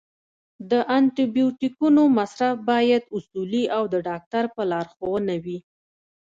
د انټي بیوټیکونو مصرف باید اصولي او د ډاکټر په لارښوونه وي.